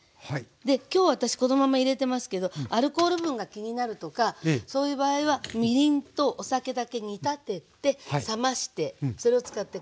今日私このまま入れてますけどアルコール分が気になるとかそういう場合はみりんとお酒だけ煮立てて冷ましてそれを使って下さい。